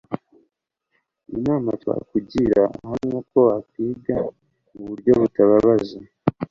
Inama twakugira aha ni uko mwakwiga uburyo butababaza